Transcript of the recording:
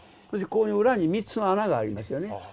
それで裏に３つ穴がありますよね？